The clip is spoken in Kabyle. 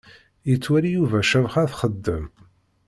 Yettwali Yuba Cabḥa txeddem.